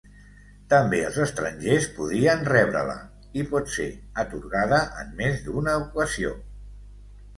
També els estrangers podien rebre-la, i pot ser atorgada en més d'una ocasió.